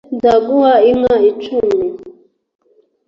ndaguha inka icumi